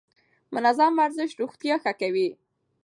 منظم ورزش روغتيا ښه کوي.